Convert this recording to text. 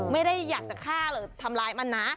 ไม่ได้อยากจะฆ่าหรือทำร้ายมันนะ